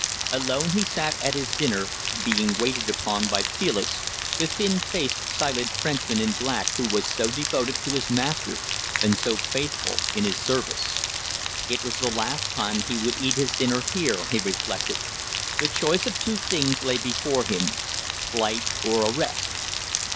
Alone he sat at his dinner, being waited upon by Felix, the thin faced, silent Frenchman in black who was so devoted to his master and so faithful in his service. It was the last time he would eat his dinner there, he reflected. The choice of two things lay before him flight, or arrest.